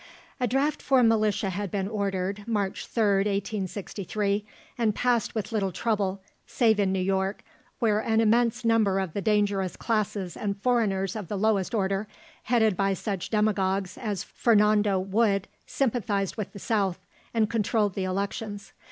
A draft for militia had been ordered (March 3rd, 1863), and passed with little trouble, save in New York, where an immense number of the dangerous classes and foreigners of the lowest order, headed by such demagogues as Fernando Wood, sympathised with the South, and controlled the elections.